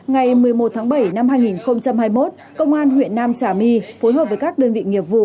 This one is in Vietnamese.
ngày một mươi một tháng bảy năm hai nghìn hai mươi một công an huyện nam trà my phối hợp với các đơn vị nghiệp vụ